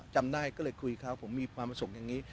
จำได้ก็เลยคุยเขาผมมีความประสงค์อย่างนี้